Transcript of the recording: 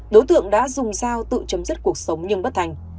đối tượng đã dùng dao tự chấm dứt cuộc sống nhưng bất thành